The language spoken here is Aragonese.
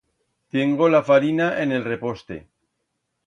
Tiengo la farina en el reposte.